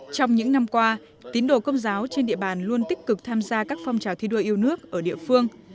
trong những năm qua tín đồ công giáo trên địa bàn luôn tích cực tham gia các phong trào thi đua yêu nước ở địa phương